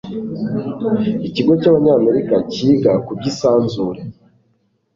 ikigo cy'abanyamerika kiga kuby'isanzure